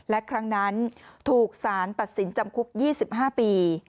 และครั้งนั้นถูกสารตัดสินจำคุก๒๕ปี